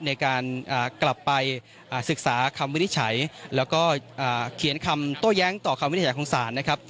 ในการกลับไปศึกษาคำวินิจฉัยแล้วก็เขียนคำโต้แย้งต่อคำวินิจฉัยของศาลนะครับ